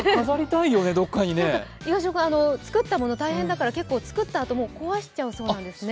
岩澤君、作ったもの、大変だから結構、作ったあとも壊しちゃうそうなんですね。